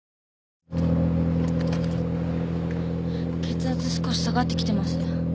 血圧少し下がってきてます。